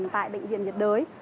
tại bệnh viện nhiệt đới